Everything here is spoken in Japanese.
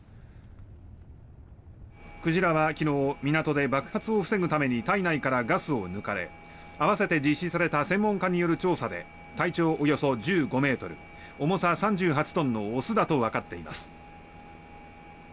鯨は昨日、港で爆発を防ぐために体内からガスを抜かれ併せて実施された専門家による調査で体長およそ１５ｍ重さ３８トンの雄だとわかっています。